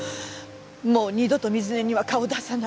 もう二度と水根には顔出さない。